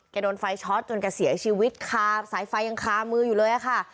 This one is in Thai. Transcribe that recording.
โดนไฟช็อตจนแกเสียชีวิตคาสายไฟยังคามืออยู่เลยค่ะ